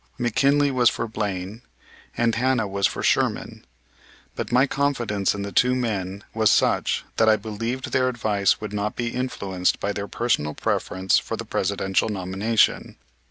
McKinley was for Blaine and Hanna was for Sherman, but my confidence in the two men was such that I believed their advice would not be influenced by their personal preference for the Presidential nomination.